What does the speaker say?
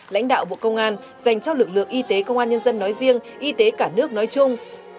lãnh đạo bộ công an dành cho lực lượng y tế công an nhân dân nói riêng y tế cả nước nói chung